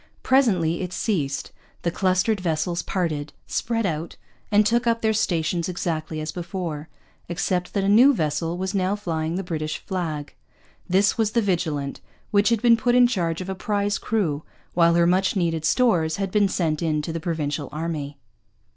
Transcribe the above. Presently it ceased; the clustered vessels parted; spread out; and took up their stations exactly as before, except that a new vessel was now flying the British flag. This was the Vigilant, which had been put in charge of a prize crew, while her much needed stores had been sent in to the Provincial army.